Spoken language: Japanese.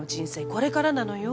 これからなのよ